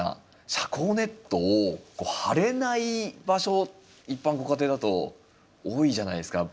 遮光ネットを張れない場所一般のご家庭だと多いじゃないですか。